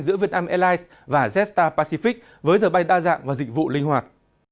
giữa vietnam airlines và z star pacific với giờ bay đa dạng và dịch vụ linh hoạt